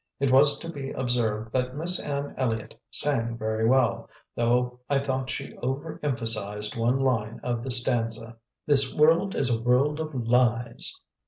It was to be observed that Miss Anne Elliott sang very well, though I thought she over emphasised one line of the stanza: "This world is a world of lies!"